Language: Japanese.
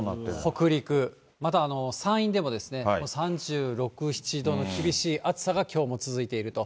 北陸、また山陰でも３６、７度の厳しい暑さがきょうも続いていると。